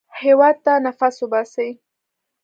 هېواد ته نفس وباسئ